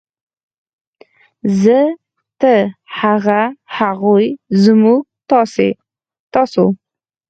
زۀ ، تۀ ، هغه ، هغوی ، موږ ، تاسو